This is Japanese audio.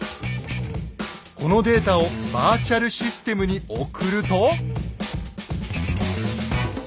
このデータをバーチャル・システムに送ると。